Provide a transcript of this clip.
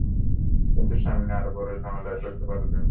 কিন্তু সামনে আরো বড় ঝামেলায় পড়তে পারো তুমি।